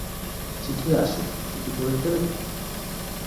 চিঠি আসে, চিঠি পড়ে ফেলে দিই।